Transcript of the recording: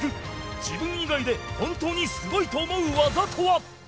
自分以外で本当にすごいと思う技とは？